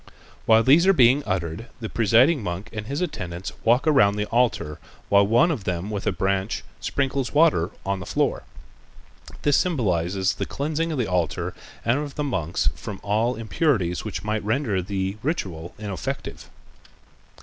While these are being uttered, the presiding monk and his attendants walk around the altar, while one of them with a branch sprinkles water on the floor. This symbolizes the cleansing of the altar and of the monks from all impurities which might render the ritual ineffective.